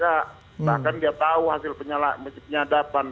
bahkan dia tahu hasil penyadapan